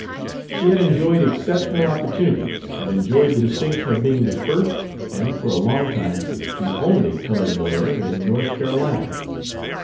He had enjoyed exceptional opportunities, and enjoyed the distinction of being the first, and for a long time the only colored lawyer in North Carolina.